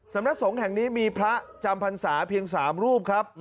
สำนักสงฆ์แห่งนี้มีพระจำพรรษาเพียง๓รูปครับ